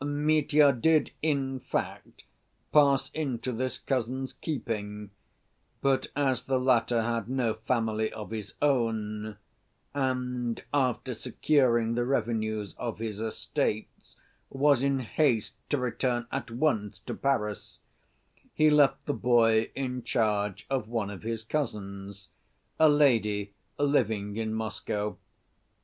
Mitya did, in fact, pass into this cousin's keeping, but as the latter had no family of his own, and after securing the revenues of his estates was in haste to return at once to Paris, he left the boy in charge of one of his cousins, a lady living in Moscow.